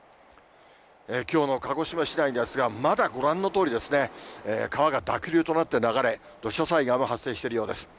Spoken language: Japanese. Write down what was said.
きょうの鹿児島市内ですが、まだご覧のとおりですね、川が濁流となって流れ、土砂災害も発生しているようです。